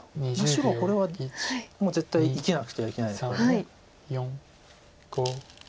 白はこれはもう絶対生きなくてはいけないですから。